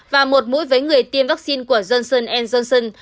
và một mũi với người tiêm vaccine của johnson johnson